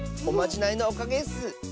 おまじないのおかげッス。